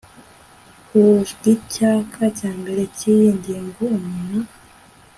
Ku bw igika cya mbere cy iyi ngingo umuntu